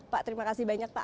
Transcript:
pak terima kasih banyak pak